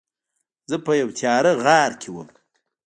زه په یوه تیاره غار کې وم.